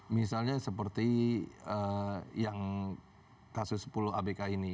misalnya seperti yang kasus sepuluh abk ini